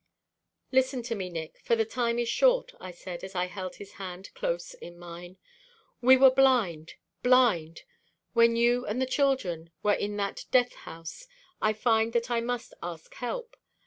"Listen to me, Nick, for the time is short," I said, as I held his hand close in mine. "We were blind blind. When you and the children were in that death house I found that I must ask help.